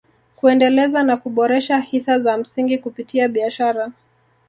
Kuendeleza na kuboresha hisa za msingi kupitia biashara